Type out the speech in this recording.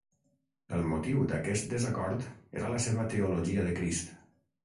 El motiu d'aquest desacord era la seva teologia de Crist.